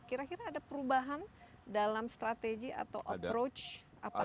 kira kira ada perubahan dalam strategi atau approach